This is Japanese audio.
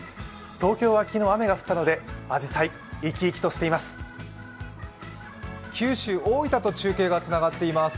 東京は昨日雨が降ったのであじさい、生き生きとしています。